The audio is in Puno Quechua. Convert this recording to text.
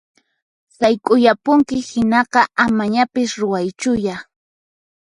Sayk'uyapunki hinaqa amañapis ruwaychuya!